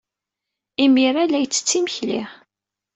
Imir-a, la yettett imekli.